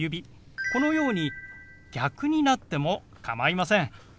このように逆になっても構いません。